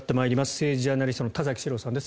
政治ジャーナリストの田崎史郎さんです。